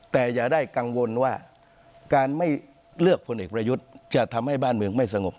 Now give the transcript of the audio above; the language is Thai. แต่อย่าได้กังวลว่าการไม่เลือกพลเอกประยุทธ์จะทำให้บ้านเมืองไม่สงบ